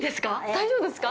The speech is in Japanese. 大丈夫ですか？